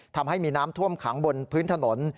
ทำให้มีน้ำท่วมขังบนพื้นถนน